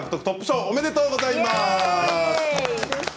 トップ賞おめでとうございます。